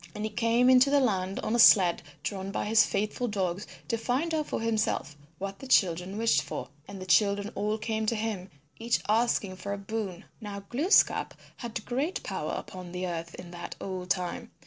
And he came into the land on a sled drawn by his faithful dogs to find out for himself what the children wished for. And the children all came to him each asking for a boon. Now Glooskap had great power upon the earth in that old time.